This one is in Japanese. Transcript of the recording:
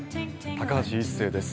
高橋一生です。